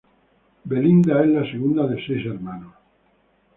Belinda es la segunda de seis hermanos.